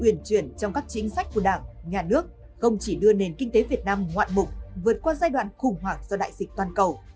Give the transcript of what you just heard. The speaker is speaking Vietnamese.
huyền chuyển trong các chính sách của đảng nhà nước không chỉ đưa nền kinh tế việt nam ngoạn mục vượt qua giai đoạn khủng hoảng do đại dịch toàn cầu